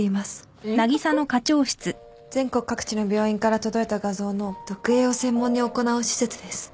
全国各地の病院から届いた画像の読影を専門に行う施設です。